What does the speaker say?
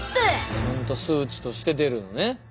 ちゃんと数値として出るのね。